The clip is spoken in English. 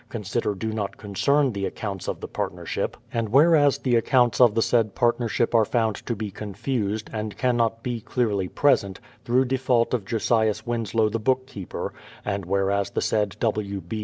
consider do not concern the accounts of the partnership ; and whereas the accounts of the said partnership are found to be confused, and cannot be clearly present, through default of Josias Winslow the bookkeeper, and whereas the said W. B.